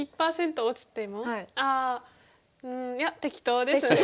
うんいや適当ですね。